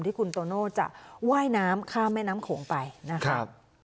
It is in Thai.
ที่คุณโตโน่จะว่ายน้ำข้ามแม่น้ำโขงไปนะครับ